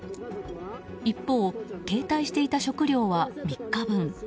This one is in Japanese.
一方、携帯していた食料は３日分。